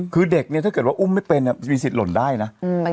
คือเด็กเนี่ยถ้าเกิดว่าอุ้มไม่เป็นมีสิทธิหล่นได้นะ